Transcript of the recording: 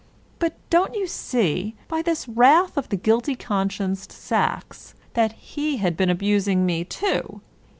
But don't you see, by this wrath of the guilty conscienced Sacks, that he had been abusing me too?